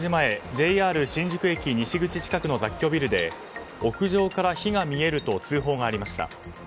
ＪＲ新宿駅西口近くの雑居ビルで屋上から火が見えると通報がありました。